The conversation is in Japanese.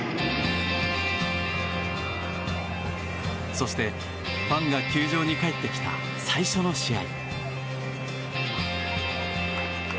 そして、ファンが球場に帰ってきた最初の試合。